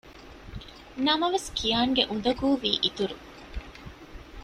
ނަމަވެސް ކިޔާންގެ އުނދަގޫ ވީ އިތުރު